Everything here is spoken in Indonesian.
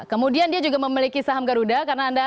kemudian dia juga memiliki saham garuda karena anda